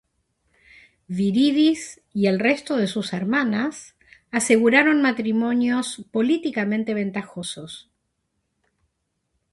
Viridis y el resto de sus hermanas aseguraron matrimonios políticamente ventajosos.